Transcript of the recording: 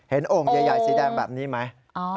โอ่งใหญ่สีแดงแบบนี้ไหม